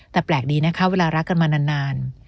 แต่แปลกดีนะคะเวลารักกันมานาน